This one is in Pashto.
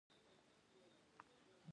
ښه نوم په وفادارۍ ساتل کېږي.